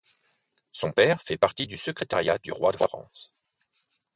Son père fait partie du secrétariat du Roi de France.